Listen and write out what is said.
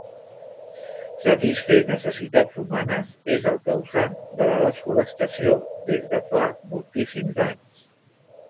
Satisfer necessitats humanes és el causant de la desforestació des de fa moltíssims anys.